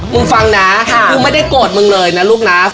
มึงฟังนะมึงไม่ได้โกรธมึงเลยนะลูกนะ